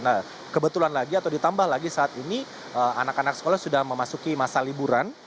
nah kebetulan lagi atau ditambah lagi saat ini anak anak sekolah sudah memasuki masa liburan